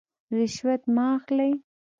رشوت مه اخلئ